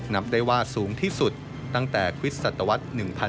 นับได้ว่าสูงที่สุดตั้งแต่คริสตวรรษ๑๕